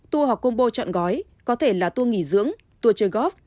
tour hoặc combo chọn gói có thể là tour nghỉ dưỡng tour chơi golf